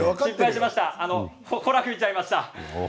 ほら、吹いちゃいました。